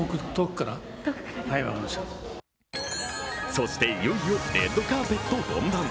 そして、いよいよレッドカーペット本番。